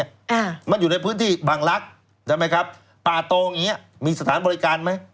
อ่ามันอยู่ในพื้นที่บางลักษณ์ใช่ไหมครับป่าตองอย่างเงี้ยมีสถานบริการไหม